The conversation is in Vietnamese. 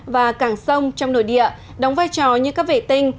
và cảng sông trong nội địa đóng vai trò như các vệ tinh